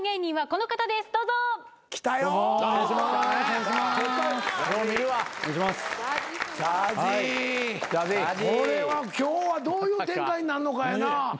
これは今日はどういう展開になんのかやな。